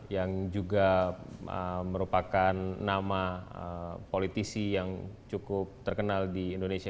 yang juga merupakan nama politisi yang cukup terkenal di indonesia